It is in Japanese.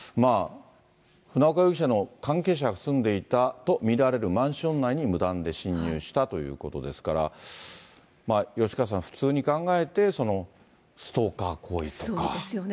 船岡容疑者の関係者が住んでいたと見られるマンション内に無断で侵入したということですから、吉川さん、普通に考えて、そうですよね。